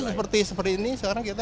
ya ya seperti ini sekarang kita